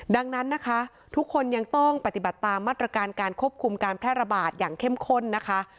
ดังนั้นนะคะทุกคนยังต้องปฏิบัติตามมาตรการการควบคุมการแพร่ระบาดอย่างเข้มข้นนะคะ